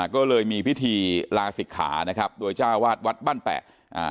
ก็เลยมีพิธีลาศิกขาโดยเจ้าวาสวัตว์บ้านแปะ